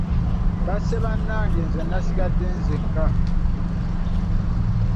Basse bannange nze nsigadde nzekka.